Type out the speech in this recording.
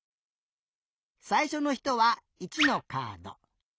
さいしょのひとは１のカード。